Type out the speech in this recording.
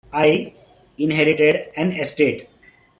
I inherited an estate.